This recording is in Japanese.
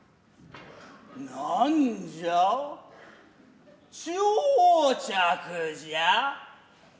何じゃ打擲じゃ。